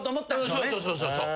そうそう。